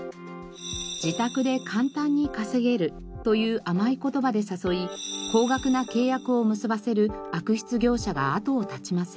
「自宅で簡単に稼げる」という甘い言葉で誘い高額な契約を結ばせる悪質業者が後を絶ちません。